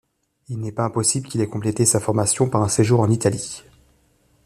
Il n'est pas impossible qu'il ait complété sa formation par un séjour en Italie.